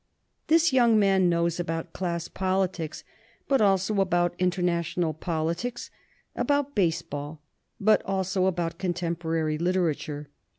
This young man knows about class politics, but also about international politics; about baseball, but also about contemporary literature.